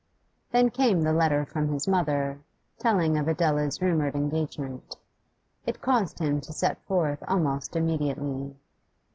Then came the letter from his mother, telling of Adela's rumoured engagement. It caused him to set forth almost immediately.